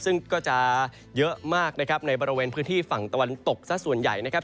ซึ่งก็จะเยอะมากนะครับในบริเวณพื้นที่ฝั่งตะวันตกซะส่วนใหญ่นะครับ